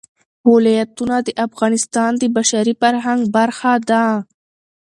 ولایتونه د افغانستان د بشري فرهنګ برخه ده.